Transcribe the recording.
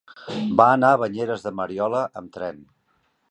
Va anar a Banyeres de Mariola amb tren.